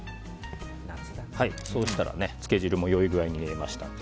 そうしたらつけ汁もよい具合に煮えましたので。